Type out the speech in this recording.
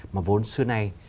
mà vốn xưa nay